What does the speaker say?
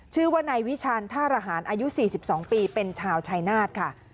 ชื่อว่านายวิชันท่ารหารอายุ๔๒ปีเป็นชาวชายนาฏค่ะ